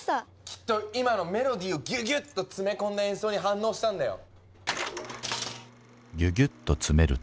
きっと今のメロディーをギュギュッとつめ込んだ演奏に反応したんだよ。